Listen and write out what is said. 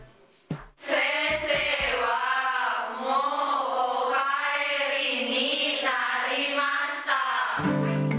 先生はもうお帰りになりました。